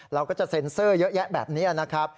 เราก็จะเซ็นเซอร์เยอะแยะแบบนี้นะครับ